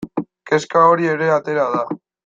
Kezka hori ere atera da.